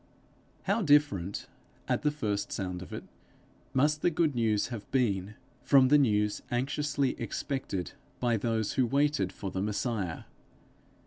How different, at the first sound of it, must the good news have been from the news anxiously expected by those who waited for the Messiah!